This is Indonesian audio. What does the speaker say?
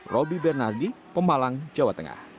roby bernardi pemalang jawa tengah